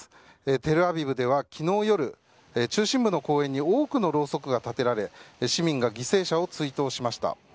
テルアビブでは昨日夜中心部の公園に多くの蝋燭が立てられ市民が犠牲者を追悼しました。